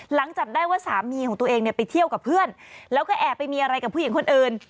จับได้ว่าสามีของตัวเองเนี่ยไปเที่ยวกับเพื่อนแล้วก็แอบไปมีอะไรกับผู้หญิงคนอื่น